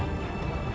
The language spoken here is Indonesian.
terima kasih ibunda